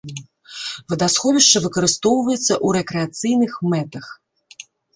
Вадасховішча выкарыстоўваецца ў рэкрэацыйных мэтах.